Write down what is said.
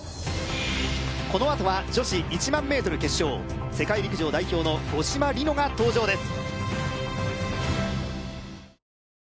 このあとは女子１００００ｍ決勝世界陸上代表の五島莉乃が登場です